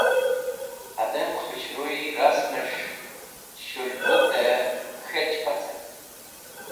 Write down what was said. Hadem khũshruy rasmes̃h shũlbut-e k̃hech pacen.